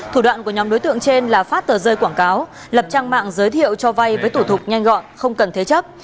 thủ đoạn của nhóm đối tượng trên là phát tờ rơi quảng cáo lập trang mạng giới thiệu cho vai với tủ thục nhanh gọn không cần thế chấp